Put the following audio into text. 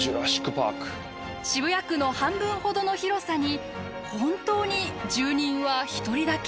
渋谷区の半分ほどの広さに本当に住人は１人だけ？